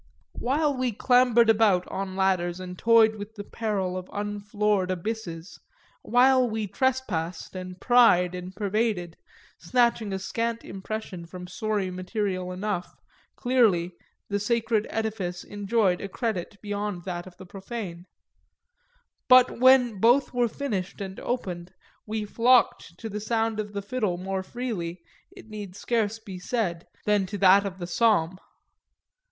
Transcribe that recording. While we clambered about on ladders and toyed with the peril of unfloored abysses, while we trespassed and pried and pervaded, snatching a scant impression from sorry material enough, clearly, the sacred edifice enjoyed a credit beyond that of the profane; but when both were finished and opened we flocked to the sound of the fiddle more freely, it need scarce be said, than to that of the psalm.